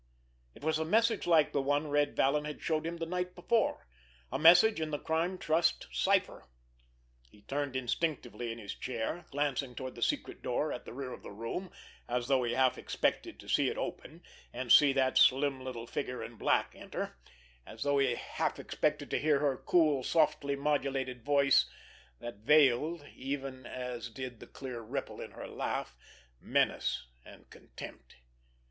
It was a message like the one Red Vallon had showed him the night before, a message in the Crime Trust's cipher. He turned instinctively in his chair, glancing toward the secret door at the rear of the room, as though he half expected to see it open, and see that slim little figure in black enter, as though he half expected to hear her cool, softly modulated voice that veiled, even as did the clear ripple in her laugh, menace and contempt.